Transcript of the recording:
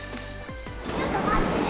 ちょっと待って。